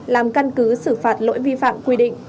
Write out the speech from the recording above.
làm căn cứ xử phạt lỗi vi phạm quy định